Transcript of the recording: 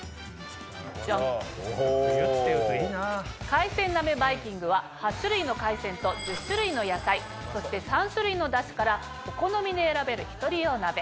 海鮮鍋バイキングは８種類の海鮮と１０種類の野菜そして３種類のダシからお好みで選べる１人用鍋。